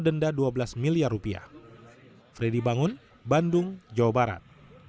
denda dua belas miliar rupiah freddy bangun bandung jawa barat